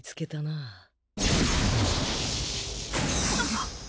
あっ！？